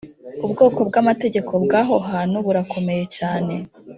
Ubwoko bw Amategeko bw aho hantu burakomeye cyane